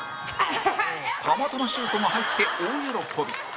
たまたまシュートが入って大喜び